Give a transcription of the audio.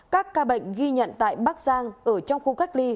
các ca bệnh ghi nhận tại bắc giang ở trong khu cách ly